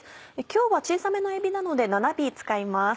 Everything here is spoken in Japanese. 今日は小さめのえびなので７尾使います。